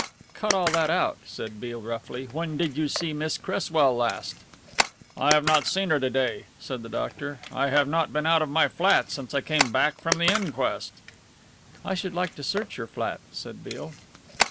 "Cut all that out," said Beale roughly. "When did you see Miss Cresswell last?" "I have not seen her to day," said the doctor. "I have not been out of my flat since I came back from the inquest." "I should like to search your flat," said Beale.